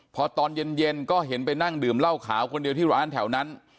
พอตอนเย็นก็เห็นไปนั่งดื่มเหล้าขาวคนเดียวที่ร้านแถวนั้น